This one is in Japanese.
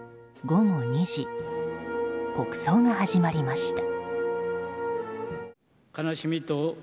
午後２時、国葬が始まりました。